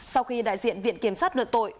sau khi đại diện viện kiểm sát lượt tội